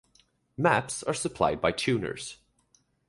Maps are supplied by tuners.